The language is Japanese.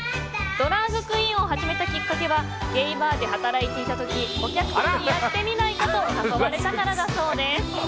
ドラァグクイーンを始めたきっかけはゲイバーで働いていた時お客さんにやってみないかと誘われたからだそうです。